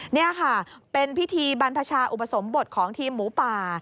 นี่ค่ะเป็นพิธีบรรพชาอุปสมบทของทีมหมูป่า